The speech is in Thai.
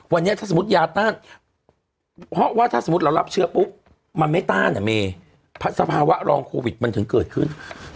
วันนี้ถ้าสมมุติยาต้านยังถ้าเรารับเชื้อปุ๊บมันไม่ต้านภาพภาวะรองโควิดมันถึงเกิดขึ้น